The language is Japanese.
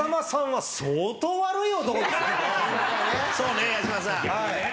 はい。